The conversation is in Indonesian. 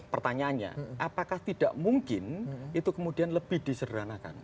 pertanyaannya apakah tidak mungkin itu kemudian lebih disederhanakan